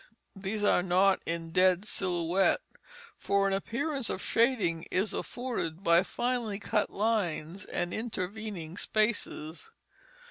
These are not in dead silhouette, for an appearance of shading is afforded by finely cut lines and intervening spaces.